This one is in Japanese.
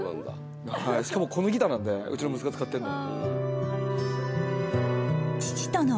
しかもこのギターなんでうちの息子が使ってるの。